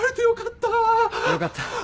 よかった。